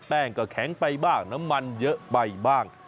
ก็แข็งไปบ้างน้ำมันเยอะไปบ้าง